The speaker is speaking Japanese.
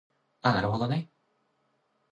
あなるほどね